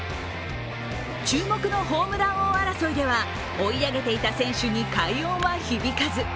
注目のホームラン王争いでは追い上げていた選手に快音は響かず。